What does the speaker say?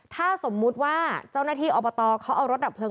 ถ้าสมมุติว่าเจ้าหน้าที่อบตเขาเอารถดับเลิ